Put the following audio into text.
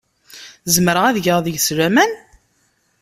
Zemreɣ ad geɣ deg-s laman?